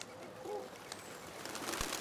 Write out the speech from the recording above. The lake is used for boating, sailing and fishing.